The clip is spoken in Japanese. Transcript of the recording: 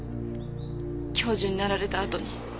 教授になられたあとに。